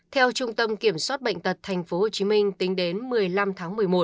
theo trung tâm kiểm soát bệnh tật tp hcm tính đến một mươi năm tháng một mươi một